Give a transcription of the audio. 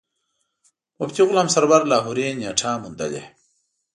مفتي غلام سرور لاهوري نېټه موندلې.